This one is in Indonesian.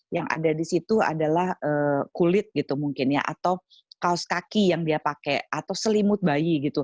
yang ada di situ adalah kulit gitu mungkin ya atau kaos kaki yang dia pakai atau selimut bayi gitu